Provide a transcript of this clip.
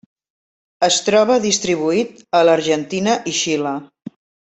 Es troba distribuït a l'Argentina i Xile.